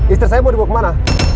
istri saya mau dibawa kemana